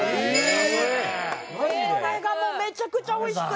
これがもうめちゃくちゃおいしくて。